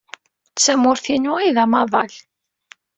D tamurt-inu ay d amaḍal.